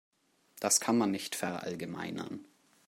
Das kann man nicht verallgemeinern.